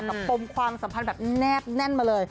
กับปมความสัมพันธ์แบบแนบมาเลย